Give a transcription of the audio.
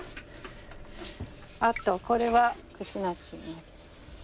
あとこれはクチナシに。